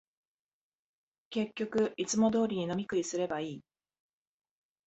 結局、いつも通りに飲み食いすればいい